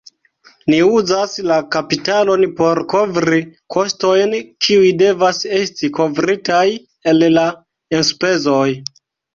Ni uzas la kapitalon por kovri kostojn, kiuj devas esti kovritaj el la enspezoj.